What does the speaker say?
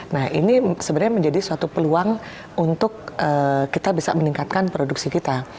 nah ini sebenarnya menjadi suatu peluang untuk kita bisa meningkatkan produksi kita